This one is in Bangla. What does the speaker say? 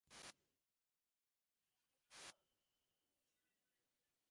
তাহার রাশীকৃত-লজ্জা-সমেত এই ধূলির উপরে সে এমন একান্তভাবে ধরা পড়িয়া গেল।